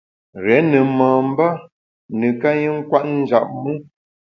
Rié ne mamba neka i nkwet njap me.